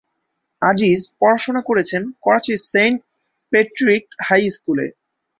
আজিজ পড়াশোনা করেছেন করাচির সেইন্ট প্যাট্রিক হাই স্কুলে।